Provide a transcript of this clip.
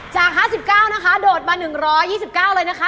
จาก๕๙นะคะโดดมา๑๒๙เลยนะคะ